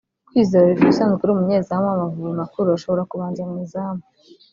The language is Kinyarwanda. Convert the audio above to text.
Kwizera Olivier usanzwe ari umunyezamu w’Amavubi makuru ashobora kubanza mu izamu